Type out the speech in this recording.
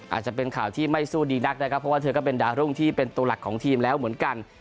อาจจะเป็นข่าวที่ไม่สู้ดีนักนะครับเพราะว่าเธอก็เป็นดาวรุ่งที่เป็นตัวหลักของทีมแล้วเหมือนกัน